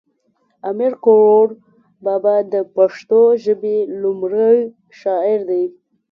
امیر کړوړ بابا د پښتو ژبی لومړی شاعر دی